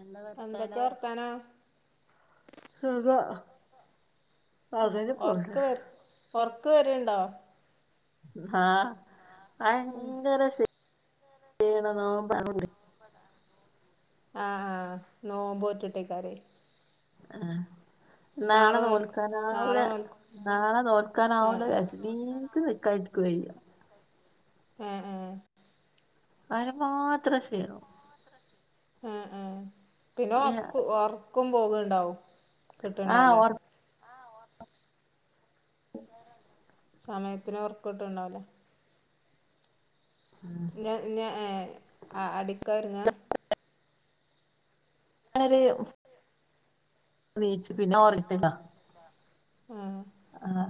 എന്താ എന്തൊക്കെ വർത്താനോ വർത്താനം അ ഉ ഉറക്ക് വരു ഒറക്ക് വരുണ്ടോ ആഹ ഭയങ്കര ക്ഷീണം നോമ്പാർന്നിട്ട് ആഹ ആഹ് നോമ്പോറ്റിട്ടേക്കാര ആഹ നാളെ നോൽക്കും നോൽക്കാനാവില്ല നാളെ നോൽക്കും നാളെ ആ നോൽക്കാനാവില്ലെ ആ രശനീക്ക് [unintelligible] ക്ക് വയ്യ ഏഹ് ഏഹ് അതിന് മാത്രം ക്ഷീണോ അ അ പിന്നെ ഇനി ഒർക്ക് ഒർക്കും പോകണ്ടാവും ആഹ് കിട്ടണ്ടാവലേ ഒർ സമയത്തിന് ഓർക്കുട്ട് ണ്ടാവലേ ഞാ ഞാ ഏ അടിക്കരുങ്ങ വളരെ നീച്ച പിന്നെ ഓർയിട്ടില്ല ആഹ ആഹ്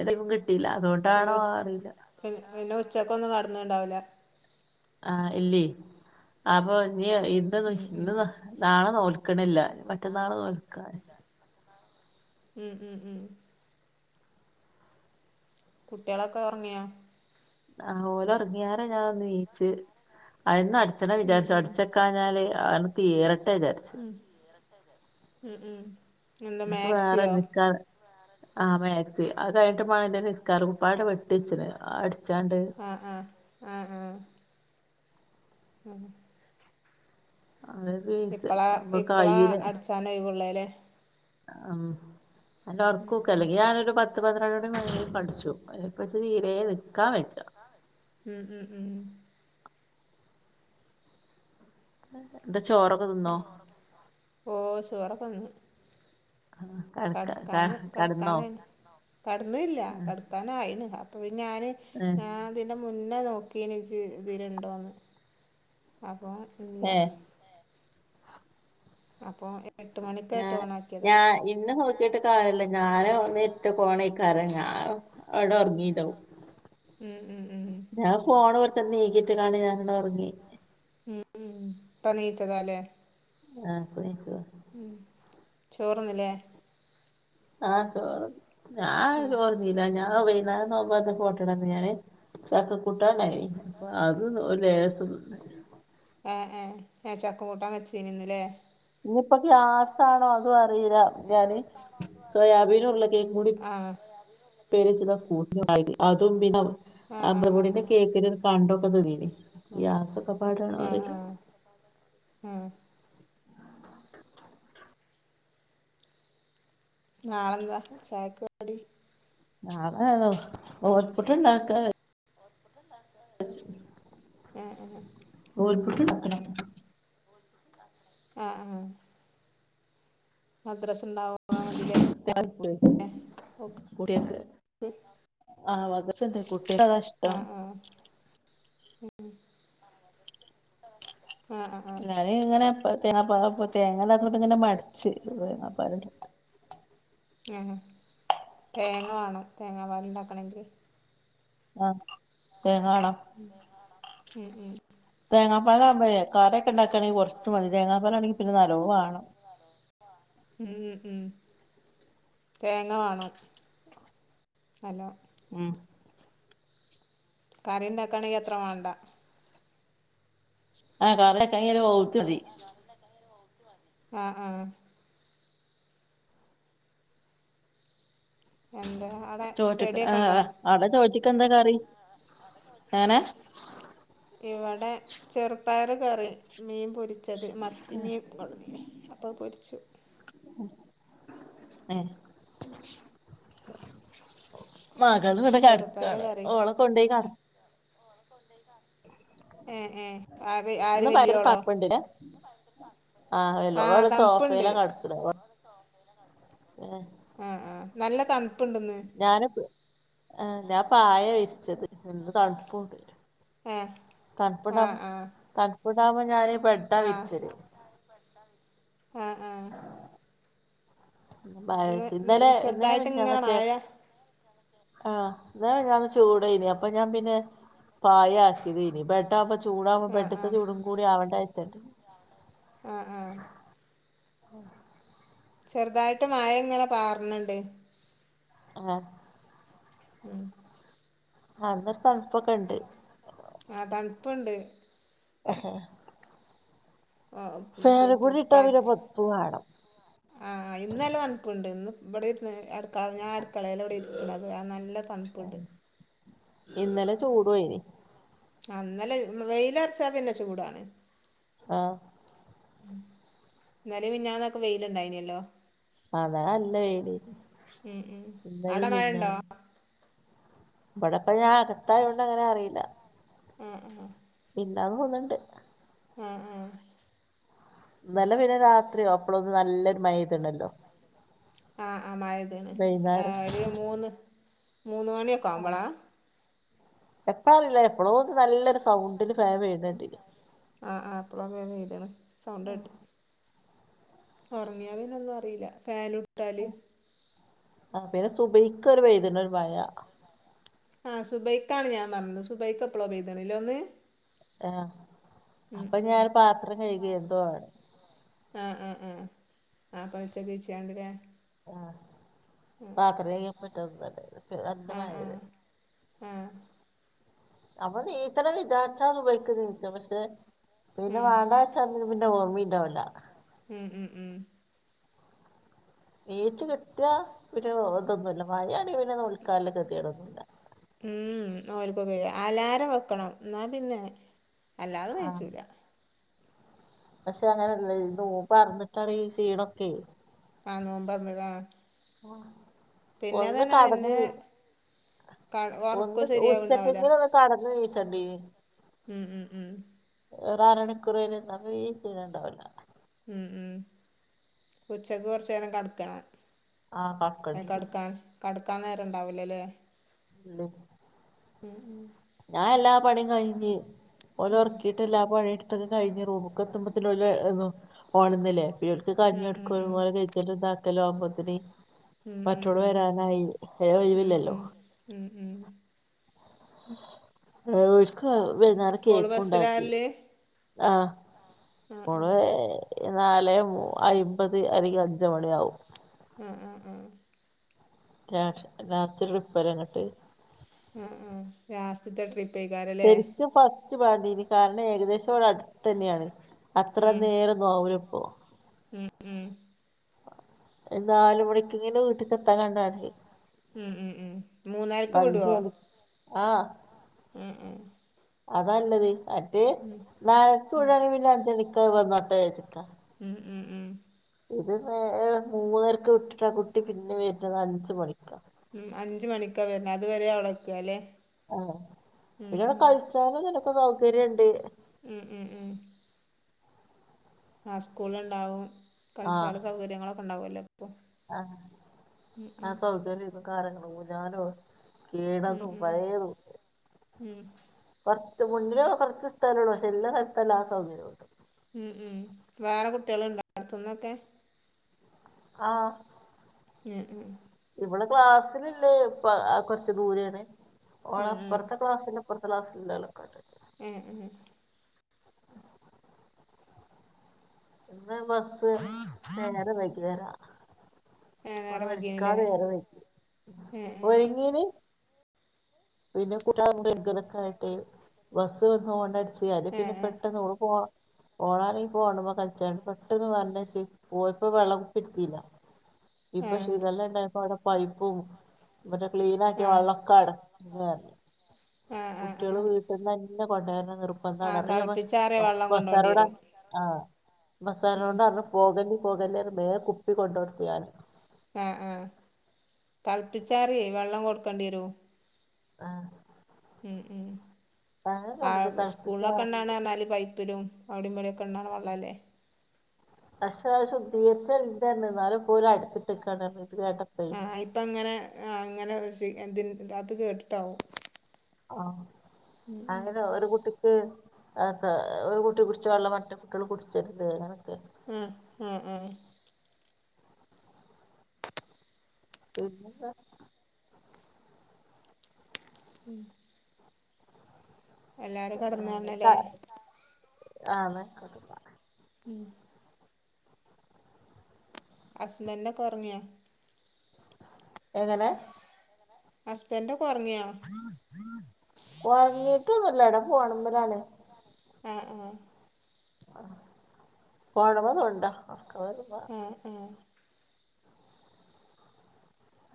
എന്നപ്പും കിട്ടിയില്ല പിന്നെ അതുകൊണ്ടാണോ ഉ- അറിയില്ല പിന്നെ പിന്നെ ഉച്ചക്ക ഒന്നും കടന്നണ്ടാവില്ല ആഹ് ഇല്ലീ അപ്പൊ നീ ഇന്ത് ഉം ഇ ഉം നാളെ നോ ല് ക്കണില്ല മറ്റന്നാള് നോക്കാൻ ഉം ഉം ഉ കുട്ടികളൊക്കെ ഉറങ്ങിയാ ആഹ ഓല ഒറങ്ങിയര ഞാൻന്ന് നീച്ച് അന്ന് അച്ഛനെ ഉം വിചാരിച്ചു ഉം അടിച്ചക്കഞ്ഞാല് അന് തീരട്ടെ വിചാരിച്ചു ഉം ഉം ഉം എന്താ എനിക്ക് വേറെ മാക്സിയോ നിക്കാ ആ മക്സി അത് കഴിഞ്ഞട്ട് ണന്റെ നിസ്കാര കുപ്പയടെ വെട്ടിച്ചിന് അടിച്ചാണ്ട് ആഹ് ആഹ് ആഹ അത് പീസ് ഇപ്പളാ ഇപ്പളാ അടിച്ചാന ഒഴിവുള്ളെ ലെ ഉ അല്ല ഉം ഉറക്കൊക്കെ അല്ലെങ്കി ഞാനൊരു പ പത്ത് പത്രാടമണി മേലെ അഠിച്ചു അതി ച്ച് പ്പ തീരെ നിക്കാൻ വെച്ച ഉം ഉം ഉം എന്താ ചോറൊക്കെ തിന്നോ ഓ ചോറക്കെതിന്നു കടക്ക കടക്കാന് കടന്നോ കടക്കാന കടന്നില്ല കടക്കാനയിന് ഞാന് ഏ ഞാൻ അതിന്റെ മുന്നേ നോക്കീ ഇതിലുണ്ടോന്ന് ഫോൺ ഇല്ല ഏ അപ്പൊ എട്ട് മണിക്കേറ്റെ ഓണാക്കിയതാ ഞാൻ ഇന്ന് നോക്കിട്ട് കാര്യല്ല ഞാൻ ഞാന്നെ ഒന്ന് എണീറ്റ് പോണേക്കാര ഞാൻ എവിടെ ഉറങ്ങീണ്ടാവും ഉം ഉം ഉം ഞാൻ ഫോണ് കൊറച്ച് നീക്കിട്ട് കാണി ഞാനങ്ങട് ഉറങ്ങി ഉം ഇപ്പണിച്ചതാല്ലേ ആ കുളിച്ചു ഉം ചോറ് ന്നില്ലേ ആ ചോർന്ന് ഞാൻ ഉം ചോർ തിന്നില്ല ഞാൻ വൈകു- [unintelligible] ഞാന് ചക്ക കൂട്ടാന്ണ്ടായിന്ന് അത് ഒരു ലേഷം സുഖം തന്നയാ ആ ആ ആ ചക്ക കൂട്ടാൻ വെച്ചീന് ഇന്ന് ല്ലേ ഇനിയിപ്പോ ഗ്യാസാണോ അതും അറില്ല ഞാന് സോയാബീനും ഉരുളകിഴങ്ങും കൂടി ആഹ് ഉപ്പേരി വച്ചതാ കൂട്ടി അതും പിന്നെ ആഹ് ആഹ് അമൃതപ്പൊടി കേക്കിന്റെ കണ്ടോക്കെ തീന്നീനി ഗ്യാസൊക്കപ്പാടെ ആഹ് അറിയില ആഹ് ആഹ് ആഹ് നാളെന്താ ചായക്ക് കടി നാളെ നൂൽപ്പുട്ട് ണ്ടാക്കാ [inaudible] ആ ആ നൂൽപുട്ട് ണ്ടാക്കണം ആ ആ മദ്രസ് ണ്ടാവ ഓക്ക് [unintelligible] കുട്ട്യാക്ക് ആ മദ്രറസ് ണ്ട് ന്ത നഷ്ടം ഉം ആഹ് ഞാന് ഇങ്ങനെപ്പേ തേങ്ങപ്പാല് തേങ്ങയില്ലാത്തോണ്ട് ഇങ്ങനെ മടിച്ച് തേങ്ങാപ്പാല ആ തേങ്ങ വേണം തേങ്ങാ പാല് ണ്ടാക്കണെങ്കിൽ ആ തേങ്ങ വാണം ഉം ഉം തേങ്ങാപ്പാലാകുമ്പഴേ കറിയൊക്കെ ണ്ടാക്കാണെങ്കിൽ കൊറച്ച് മതി തേങ്ങാപ്പാലാണെങ്കിൽ പിന്നെ നല്ലോം വാണം ഉം ഉം ഉം തേങ്ങ വാണം നല്ലോം ഉം കറിയുണ്ടാക്കാണെങ്കി അത്ര വാണ്ട ആ കറി [unintelligible] മതി ആ ആ എന്താ അവിടെ ചോറ്റ്ക്ക് ചെടിയൊക്കെ ആ ഉണ്ടോ ആ അവിടെ ചോറ്റ്ക്കെന്താ കറി എങ്ങനെ ഇവിടെ ചെറുപയർ കറി മീൻ പൊരി ച്ചത് മത്തിമീൻ കൊണ്ടന്നീന് അപ്പോ അത് പൊരിച്ചു ഏ മകൾ ഇവിടെ ചെറുപ്പയർ കെടക്കാണ് കറി ഓളെ കൊണ്ടോയി കട് ഏ ഏ ആര് ആര് ഇന്ന് ഭയങ്കര വലിയോളോ തണുപ്പുണ്ട് ആ [unintelligible] സോഫെല്ലാ കെട്ക്ക്ണെ ആഹ ആഹ നല്ല തണുപ്പ ഇണ്ട്ന്ന് ആ ഞാൻ പായ വിരിച്ചത് ഇന്ന് തണുപ്പുണ്ട് ആ ആ തണപുടാ ആ തണപുടാമ ഞാന് ബെഡ്ഡ ആ വിരിച്ചല ആ ആ ഒന്ന് ഇന്നലെ ഇന്ന് ഇന്നലെ ചെറുതായിട്ട് ഇങ്ങനെ മിഞ്ഞാന്നൊക്കെ മഴ ആഹ എന്നതാ ഞാൻ ചൂടേന അപ്പൊ ഞാൻ പിന്നെ പായ ആക്കിത് ഇനി ബെഡാവുമ്പോ ചൂടാവകുമ്പോ ആ ആ ബെഡ്ത്തെ ചൂടും കൂടി ആവണ്ട അച്ചണ്ട് ആ ആ ആഹ ചെറുതായിട്ട് മായ ഇങ്ങനെ പറാണണ്ട് ആഹ ഉം അന്നരു തണുപ്പൊക്കെ ഇണ്ട് ആഹ തണുപ്പുണ്ട് ആഹ [unintelligible] പിന്നെ പൊതപ്പ് വേണം ആ ഇന്നല്ല തണുപ്പുണ്ട് ഇന്ന് ഇവിടെർന്ന് ഞാൻ അടുക്കളയിലൽ ഇവിടെ ഇ അത് ആ നല്ല ആ തണുപ്പുണ്ട് ഇന്നലെ ചൂട് എയ്നി ഇന്നലെ വെയിലർച്ചാ പിന്നെ ചൂടാണ് ആഹ ഇന്നലെ മിനിഞ്ഞാന്നൊക്കെ വെയില് ഇണ്ടായിഞ്ഞല്ലോ അതാ അല്ല വേല ഉം ഉം ഇന്നലും അവിടെ മഴ ഉണ്ടോ മിഞ്ഞാന്നും ഇവിടപ്പ ഞാൻ അകത്തായൊണ്ട് അങ്ങനെ അറിയില്ല ഉം ഉ മിഞ്ഞാന്ന് തോന്നിണ്ട് ഉ ഉ ഇന്നലെ പിന്നെ രാത്രിയോ അപ്പളൊന്ന് നല്ലൊരു മഴ പേഴ്ത്ണല്ലോ ആ ആ മഴതണ് ഒരു മൂന്ന് മൂന്ന് മണിയൊക്കെ ആവുമ്പോളാ എപ്പഴറീ ല്ല എപ്പോഴോ നല്ലൊരു സൗണ്ടിന് ഫാൻ വേയന്നെ ട്ടീനിം ആഹ ആ അപ്പള അങ്ങ ഇ്താണ് സൗണ്ട് കട്ടി ഉറങ്ങിയാ പിന്ന ഒന്നും അറിയില്ല ഫാനു ഇട്ടാല് ആ പിന്നെ സുഭഹിക്ക ഒരു പെയ്ത്ണൊഒരു മഴ ആ സുബൈക്ക ആാണ് ഞാൻ പറഞ്ഞത് സുബൈക്ക് എപ്പളോ പെയ്തണ ലേ ഒന്ന് ആഹ ഉം അപ്പൊ ഉം ഞാൻ പാത്രം കഴുകയ എന്തോ ആണ് ആഹ ആഹ ആഹ ആ പൈസ ബീച്ച്യണ്ട് ലേ പത്ര ചെയ്യാൻ [unintelligible] നല്ല മഴ ആ നമ്മൾ നീചണം വിചാർച്ച സുബ്ഹിക്ക് നീച്ചും പക്ഷെ പിന്നെ ഉം വാണ്ടചാ പിന്നെ ഓർമിണ്ടാവൂല ഉം ഉം ഉം ഏച്ച കിട്ടയ പി ഇതൊന്നുമല്ല മഴയാണ നോൽക്കാൻ ള്ള കെത്യേടൊന്നുല്ല അലാരം വെക്കണം ന്നാ പിന്നെ അല്ലാതെ ആഹ് നീച്ചൂല പക്ഷെ അങ്ങനെയല്ല നോമ്പർന്നിട്ടാണ് ഈ ക്ഷീണൊക്കെ ആ നോമ്പർന്ന് ആ ആ ഒന്ന് കടന്ന പിന്നെ ക ഒർക്കം ഒന്ന് ശരിയാവ്ണ്ടാവൂല ഉച്ചക്കെങ്കിലും ഒന്ന് കടന്ന് നീച്ചണ്ടീനി ഉം ഉം ഉം വേറ ആറണിക്കുറഴ് ഞാ ഈ ക്ഷീണണ്ടാവൂല ഉം ഉം ഉച്ചക്ക് കുറച്ച് നേരം കട്ക്കണം ആ കാ ക്കണ്ടീനി കെടക്കാൻ നേരം ഇണ്ടാവൂലല്ലേ ഉള്ള് ഉം ഉം ഞാൻ എല്ലാപണിയുംകഴിഞ്ഞ് ഓലെ ഉം ഒറക്കീട്ട് എല്ലാപണിയെടുത് ഒരുക്കൊക്കെ കഴിഞ്ഞ് റൂമക്കെത്തുമ്പത്തിന് ഓല് ന്ന് പൊണന്നില്ലേ കുട്ടികൾക്ക് ഉം ഉം കഞ്ഞികൊടുക്കലും ഉം ഉമ്മാടെ കഴിക്കലും ഇണ്ടാക്കലും ആകുമ്പോത്തിന് ഉം ഉ ഉ ഉം ഉ ഒഴിവില്ലല്ലോ ഉം ഉം ഓരിക്ക് വൈന്നേരം ഓള് ബസ്സിലാ കേക്കുണ്ടാക്കി വരല് ആ ആഹ് പൊതുവേ നാലേ അയ്മ്പത് അല്ലെങ്കി അഞ്ചുമണിയാകും ഉം ഉം ഉം രാഷ് രാത്രി ത്ര പേരാ അങ്ങട്ട് ആ ആ രാസത്തെ ട്രിപ്പായിക്കാരല്ലേ ഇച് ബാൻഡീന്ന് കാരണം ഏകദേഷം അട്തന്നെയാണ് അത്ര ഉം നേരം നോവലിപ്പോ ഉം ഉം നാലുമണിക്കിങ്ങനെ വീട്ടുക്ക് എത്താൻ കണ്ടാണങ്കീ ഉം ഉം ഉം മൂന്നരക്ക് വിടുവോ മണി ഉ ഉം അതാല്ലത് മറ്റേ നാക്കുഴാണെങ്കി പിന്ന അഞ്ചണിക്ക വന്നോട്ടെ വെച്ചിട്ട ഉം ഉം ഉം ഇത് നേ മൂന്നരക്ക് വിട്ടിട്ട് ആ കുട്ടി പിന്നെവരുന്നത് അഞ്ചുമണിക്കാ ഉം അഞ്ചുമണിക്കാ വരുന്ന് അഅതുവരെ അവടെക്കാല്ലേ ആ പിന്നവിടെ കളിച്ചാന് നിനക്ക് സൗകര്യണ്ട് ഉം ഉം ഉം ആ സ്കൂളുണ്ടാവും കളിച്ചാനുള്ള സൗകര്യങ്ങളൊക്കെ ഉണ്ടാവുമല്ലേ ആഹ ആഹ ഉം [unintelligible] ഊഞ്ഞാലൊ ഉം കേടാക്കും ഉം പഴേതു ഉം പ മുന്നിലോ കുറച്ചുസ്ഥലോള്ളു പക്ഷെ എല്ലാസ്ഥലത്തും എല്ലാ സൗകര്യവും ഉണ്ട് ഉം ഉം വേറെ കുട്ടികളൊ ണ്ടോയടുത്തുന്നൊക്കെ ആ ഉം ഉം ഓളെ ക്ലാസ്സിലില്ലേ പ കുറച്ചു ദൂരേണ് ഉം ഓളപ്പുറത്തെ ക്ലാസ്സിലെ പത്തളാസ് ഇന്താളക്കാറ്റ് ഉം ഉം ഇന്ന് ബസ്സ് നേരം വൈക്കി വരാ ഏ ഓളെ നേരം ഒരുക്കാൻ വൈകിയാണല്ലേ നേരവായി ഏ ഒരുങ്ങീനി പിന്നെ [unintelligible] ബസ്സ് വന്ന് ഓണടിച്ച് ഇ അല്ലെ ഏ പിന്നെ ഏ പെട്ടെന്ന് എവിടെപോവാ ഓളാണെങ്കിൽ ഫോണുമ്മേ കളിച്ചാന് പെട്ടെന്ന് വരണബെസ്സ് പോയപ്പോ വെള്ളകുപ്പിയെടുത്തില്ല ഏ ഇപ്പൊ ശീതെല്ലാംഉണ്ടായപ്പോ അവിടെ പൈപ്പും മറ്റെ ആ ക്ലീനാക്കിയ ആ വള്ളൊക്കെടെ അട എ ആ ആ ആ കുട്ടികള് വീട്ടന്ന് തന്നെ കൊണ്ടുവരണെന്ന് ആ ചെറുപ്പക്കാരനാണ് തിളപ്പിച്ചാറിയ [unintelligible] വെള്ളം കൊണ്ടോണ്ടി ബസ്സാരോട വരും ആ ഉം മസാലകൊണ്ട് അറിഞു പോകല്ലേ പോകല്ലേന്ന് മേ കുപ്പി കൊണ്ടുകൊടുത്തത് ഞാനാ ആ ആ തിളപ്പിച്ചാറിയേ വെള്ളം കൊടുക്കണ്ടി വരോ ആ ഉം ഉം അങ്ങനെ ആ കണ്ടിട്ട് തിളപ്പിച്ച സ്കൂളിലൊക്കെണ്ടാണണാന്നാല് പൈപ്പിലും അവിടേംഇവിടേംക്കെ എണ്ണാനു വെള്ളല്ലേ അക്ഷാവശം തീർച്ച ഇന്റെന്നാലും ഇപ്പ ഓര് അടുച്ചിട്ടിക്കാണ്ന്ന് ആ ഇപ്പ അങ്ങനെ ആ അങ്ങനെ സി എന്തി ന്റാ ത്ത് കേട്ടിട്ടാവും ആ ഉം ഉം അങ്ങനെ ഒരുകുട്ടിക്ക് അഹാ ഒരുകുട്ടി കുടിച്ചവെള്ളം മറ്റേകുട്ടികള് കുടിച്ചരുത് അങ്ങനെയൊക്കെ ഉ ഉ ഉ [unintelligible] ഉം എല്ലാരും കെടന്നു [unintelligible] ആ [unintelligible] ഉം ഹസ്ബൻഡോക്കൊറങ്യോ എങ്ങനെ ഹസ്ബൻഡ് ഒറങ്ങിട്ടൊന്നുല്ല വടെ ഫോണ്മ്മലാണ് എ എ ആ ഫോണ്മ്മ തോണ്ട ആഹ് ആഹ് [unintelligible]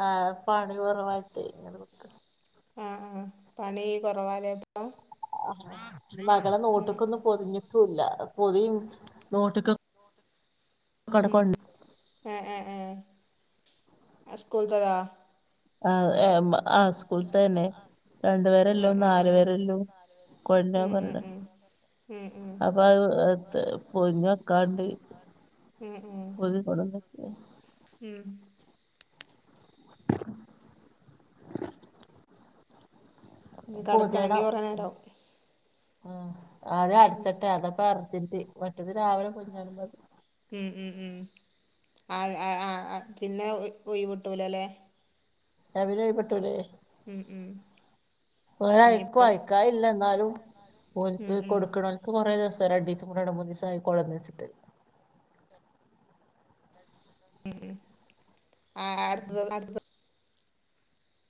ആ പണി കൊറവായിട്ട്ങ്ങനെ നിക്ക ആ, ആ പണി കുറവാലേ ഇപ്പം ആ മകളെ നോട്ട് ഉം ഉം ബുക്കൊന്നും പൊതിഞ്ഞിട്ടും ഇല്ല പൊതി നോട്ടക്ക സ്കൂൾ ദതാ ആ, ആ സ്കൂൾ ത തന്നെ രണ്ടു പേരെല്ലോ ഉം ഉം നാലു പേരെല്ലോ കൊഴഞ്ഞ ഉം ഉം പറഞ്ഞട ഉം ഉം ഉം ഉം അപ്പൊ അത് പോയി നികാണ്ട് ഉം ഉം [unintelligible] കിടക്കണെങ്കി കുറെ നേരാവും ആ ആദ്യ അടച്ചട്ടെ അതപ്പ അർജിന്റ് മറ്റേത് രാവിലെ കുഞ്ഞാണുമ്പോ അത് ഉം ഉം ഉം ആ ആ ആ ആ പിന്നെ പോയി വിട്ടൂലല്ലേ [unintelligible] ഉം ഉം രഅയക്കും ഇനിയിപ്പം അയക്കാ ഇല്ല എന്നാലും ഉം പോലക്ക് ഉം കൊടുക്കണക്ക കൊറേ ദിവസ രണ്ട് ദിവസം മൂന്ന് ദിവസം ആയി കൊളന്ന വെച്ചിട്ട് ഉം ഉം ആ ആ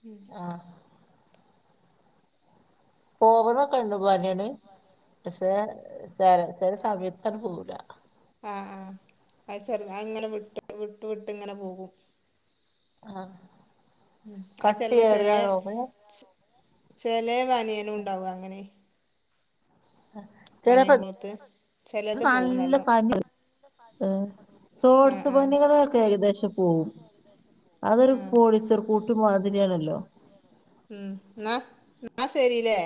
ഉം ആ പോവുന്നൊക്കെ ഉണ്ട്. പോന്നെയാണ് പക്ഷേ ചെ ചെല സമയത പോവല ആ ആ അ ചെറുത് ഇങ്ങനെ വിട്ട് വിട്ട് വിട്ട് ഇങ്ങനെ പോകും ആ ഉം, അത് ചിലപ്പോ കട്ടിയേറിയ ചെറിയ രോഗം ചെല വനിയന ഉണ്ടാവു അങ്ങനെ ബനിയൻ ചെലപ്പോ ക്ലോത്ത് ചിലത് പോകുന്നല്ലോ. ആ സോഴസു ബന്നുകള് ആത് അ പോവും, അതൊരു ആ പോളീസർ കൂട്ടിമാതിരിയാണല്ലോ ഉം എന്ന ന്ന ശരില്ലേ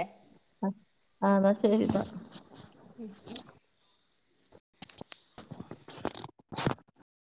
അന്നാ ശരി [unintelligible]